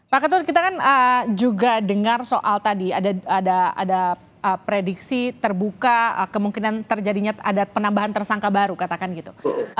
pak ketut kita kan juga dengar soal tadi ada prediksi terbuka kemungkinan terjadinya ada penambahan tersangka baru katakan gitu